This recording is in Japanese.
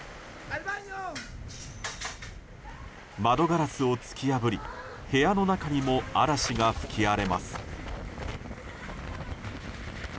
窓ガラスを突き破り部屋の中にも嵐が吹き荒れます。